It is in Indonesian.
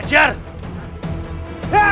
anda jaga dirinya